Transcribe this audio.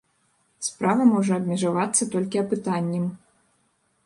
Справа можа абмежавацца толькі апытаннем.